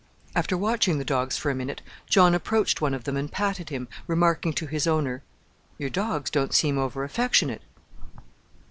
After watching the dogs for a minute, John approached one of them and patted him, remarking to his owner, "Your dogs don't seem over affectionate."